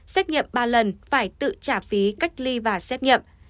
xét nghiệm ba lần phải tự trả phí cách ly và xét nghiệm